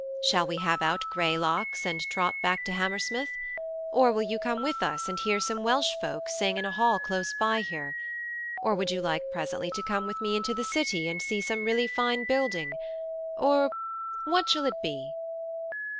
Shall we have out Greylocks and trot back to Hammersmith? or will you come with us and hear some Welsh folk sing in a hall close by here? or would you like presently to come with me into the City and see some really fine building? or what shall it be?"